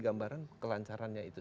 gambaran kelancarannya itu